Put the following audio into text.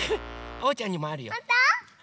おうちゃんにもあるよ。